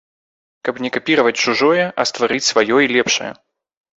Каб не капіраваць чужое, а стварыць сваё і лепшае.